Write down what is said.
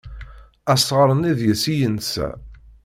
Asɣar-nni deg-s i yensa.